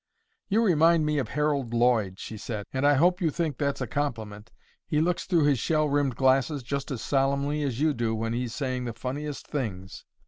"You remind me of Harold Lloyd," she said, "and I hope you think that's a compliment. He looks through his shell rimmed glasses just as solemnly as you do when he's saying the funniest things."